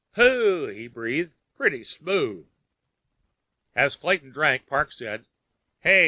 "Hooh!" he breathed. "Pretty smooth." As Clayton drank, Parks said: "Hey!